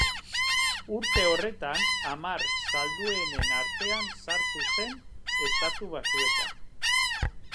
Urte horretan hamar salduenen artean sartu zen Estatu Batuetan.